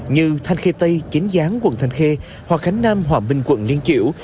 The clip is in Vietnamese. như thanh khê tây chính gián quận thanh khê hoa khánh nam hòa minh quận liên chiểu